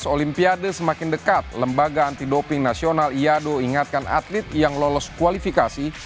olimpiade semakin dekat lembaga anti doping nasional iado ingatkan atlet yang lolos kualifikasi